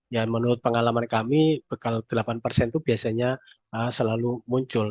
ya menurut pengalaman kami bekal delapan persen itu biasanya selalu muncul